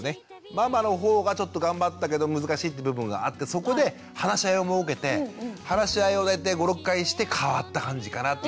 ママのほうがちょっと頑張ったけど難しいって部分があってそこで話し合いを設けて話し合いを大体５６回して変わった感じかなっていう。